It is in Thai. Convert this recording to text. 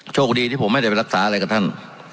โชคดีที่ผมไม่ได้ไปรักษาอะไรกับท่าน